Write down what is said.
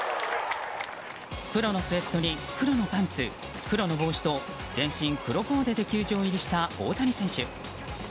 黒のスウェットに黒のパンツ、黒の帽子と全身黒コーデで球場入りした大谷選手。